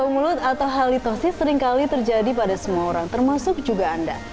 mulut atau halitosis seringkali terjadi pada semua orang termasuk juga anda